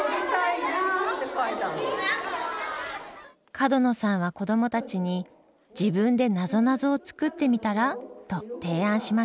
角野さんは子どもたちに「自分でなぞなぞを作ってみたら？」と提案しました。